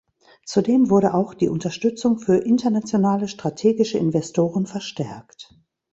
Zudem wurde auch die Unterstützung für internationale strategische Investoren verstärkt.